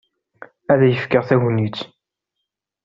Ad k-fkeɣ tagnit.